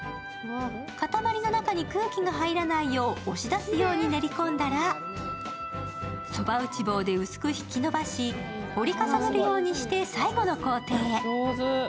塊の中に空気が入らないよう押し出すように練り込んだらそば打ち棒で薄く引き伸ばし折り重なるようにして最後の工程へ。